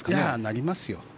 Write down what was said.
なりますよ。